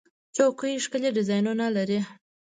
چوکۍ ښکلي ډیزاینونه لري.